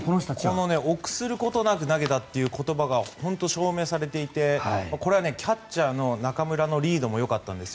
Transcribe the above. この臆することなく投げたという言葉が本当に証明されていてこれはキャッチャーの中村のリードもよかったんですよ。